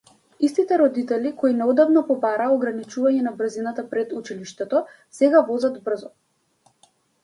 Истите родители кои неодамна побараа ограничување на брзината пред училиштето, сега возат брзо.